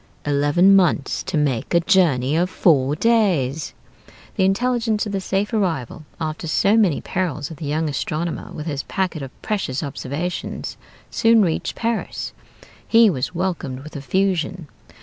Eleven months to make a journey of four days! The intelligence of the safe arrival, after so many perils, of the young astronomer, with his packet of precious observations, soon reached Paris. He was welcomed with effusion.